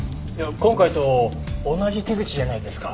今回と同じ手口じゃないですか。